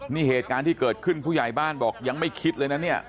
นี่เหตุการณ์ที่เกิดขึ้นผู้ใหญ่บ้านบอกยังไม่คิดเลยนะเนี่ย